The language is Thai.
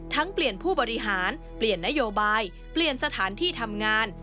เปลี่ยนผู้บริหารเปลี่ยนนโยบายเปลี่ยนสถานที่ทำงาน